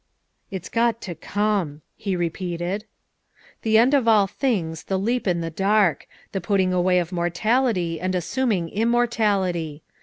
" It's got to come," he repeated. The end of all things, the leap in the dark; the put ting away of mortality and assuming immortality.